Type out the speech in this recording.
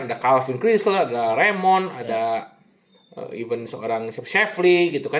ada calvin crystal ada raymond ada even seorang sheffley gitu kan